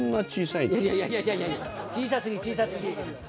いやいや、小さすぎ、小さすぎ。